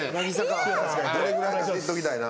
どれぐらいか知っときたいな。